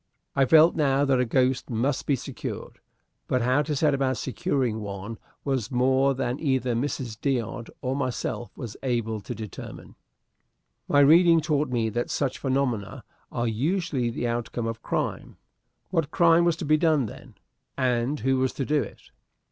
I felt now that a ghost must be secured, but how to set about securing one was more than either Mrs. D'Odd or myself was able to determine. My reading taught me that such phenomena are usually the outcome of crime. What crime was to be done, then, and who was to do it?